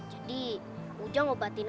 jadi ujang ngobatin